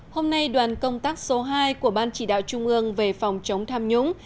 hôm nay đoàn công tác số hai của ban chỉ đạo trung ương về phòng chống tham nhũng